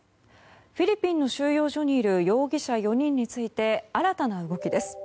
フィリピンの収容所にいる容疑者４人について新たな動きです。